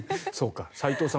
斎藤さん